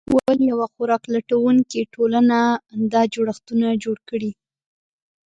ولې یوه خوراک لټونکې ټولنه دا جوړښتونه جوړ کړي؟